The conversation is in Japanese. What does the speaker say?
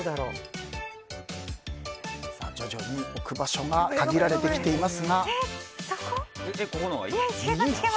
徐々に置く場所が限られてきています。